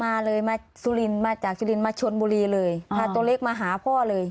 มาเลยมาสุรินมาจากสุรินทมาชนบุรีเลยพาตัวเล็กมาหาพ่อเลย